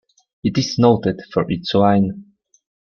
It is noted for its wine.